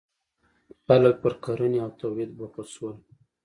• خلک پر کرنې او تولید بوخت شول.